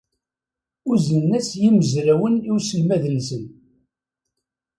Unzen-as yimezrawen i uselmad-nsen.